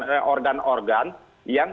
oleh organ organ yang